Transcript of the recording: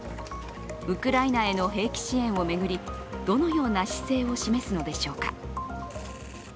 ウクライナへの兵器支援を巡りどのような姿勢を示すのでしょうか。